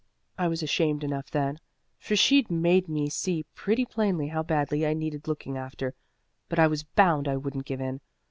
I was ashamed enough then, for she'd made me see pretty plainly how badly I needed looking after, but I was bound I wouldn't give in.